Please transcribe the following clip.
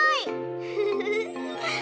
フフフフ。